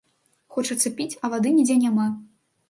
Хочацца піць, а вады нідзе няма.